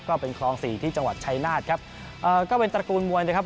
ก็เป็นคลองสี่ที่จังหวัดชายนาฏครับเอ่อก็เป็นตระกูลมวยนะครับ